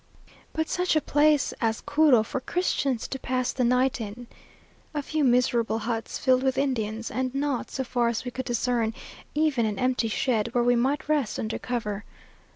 But such a place as Curu for Christians to pass the night in! A few miserable huts filled with Indians, and not, so far as we could discern, even an empty shed, where we might rest under cover.